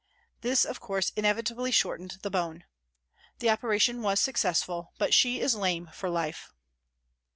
This, of course, inevitably shortened the bone. The operation was successful, but she is lame for life.